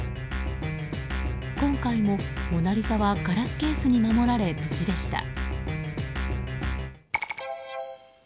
今回も「モナリザ」はガラスケースに守られ無事でした。